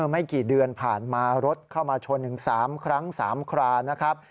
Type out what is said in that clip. ไม่กี่เดือนผ่านมารถเข้ามาชนถึง๓ครั้ง๓ครานนะครับ